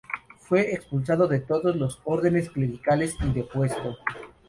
Fue expulsado de todos los órdenes clericales y depuesto.